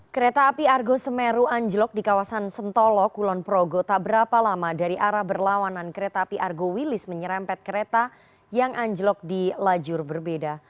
kereta api argo semeru anjlok di kawasan sentolo kulon progo tak berapa lama dari arah berlawanan kereta api argo wilis menyerempet kereta yang anjlok di lajur berbeda